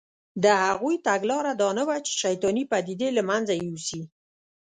د هغوی تګلاره دا نه وه چې شیطانې پدیدې له منځه یوسي